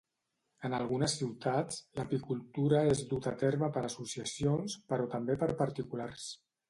En algunes ciutats, l'apicultura és duta a terme per associacions, però també per particulars.